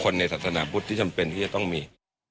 ในสัตว์ธนาบุตรที่จำเป็นที่จะต้องมี